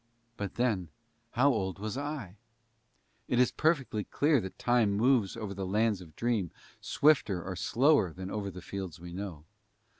But then how old was I? It is perfectly clear that Time moves over the Lands of Dream swifter or slower than over the fields we know.